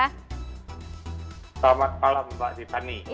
selamat malam mbak zitani